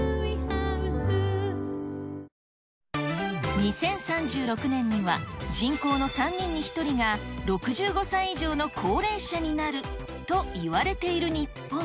２０３６年には人口の３人に１人が６５歳以上の高齢者になるといわれている日本。